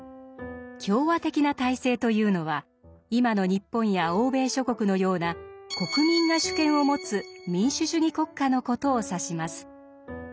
「共和的な体制」というのは今の日本や欧米諸国のような国民が主権を持つ民主主義国家の事を指します。